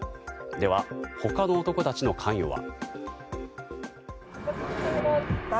では、他の男たちの関与は。